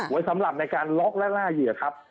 ไว้สำหรับในการล็อกและล่าเหยื่อครับ